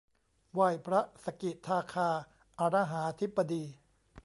ไหว้พระสกิทาคา อะระหาธิบดี